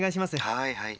「はいはい」。